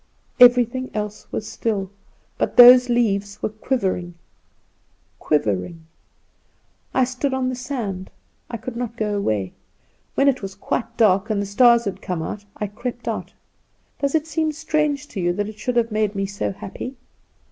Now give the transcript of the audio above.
Everything else was still; but those leaves were quivering, quivering. I stood on the sand; I could not go away. When it was quite dark, and the stars had come, I crept out. Does it seem strange to you that it should have made me so happy?